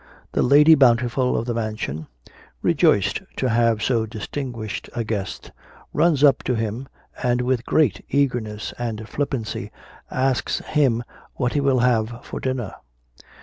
The Lady Bountiful of the mansion, rejoiced to have so distinguished a guest, runs up to him, and with great eagerness and flippancy asks him what he will have for dinner.